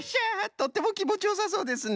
とってもきもちよさそうですね。